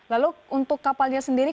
lalu untuk kapalnya sendiri